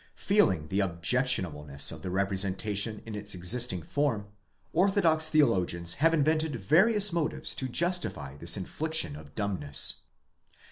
Feeling the objectionableness of the representation in its existing form, orthodox theologians have invented various motives to justify this infliction of dumbness.